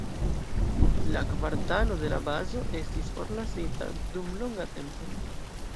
La kvartalo de la bazo estis forlasita dum longa tempo.